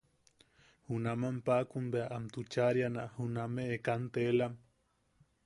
Junaman paʼakun bea am tuchaariana juname kanteelam.